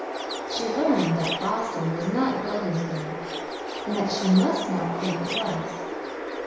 She learned that Boston was not Beldingsville, and that she must not think it was.